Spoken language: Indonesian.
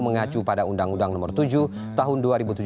mengacu pada undang undang nomor tujuh tahun dua ribu tujuh belas